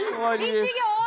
１行！？